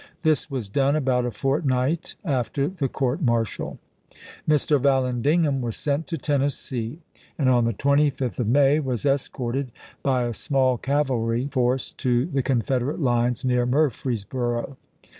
1 This was done about a fortnight after the court martial. Mr. Vallandigham was sent to Tennessee, and, on the 25th of May, was escorted by a small cavalry i863. force to the Confederate lines near Murfreesboro.